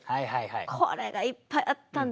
これがいっぱいあったんだよね。